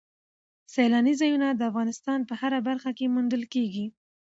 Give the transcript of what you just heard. سیلانی ځایونه د افغانستان په هره برخه کې موندل کېږي.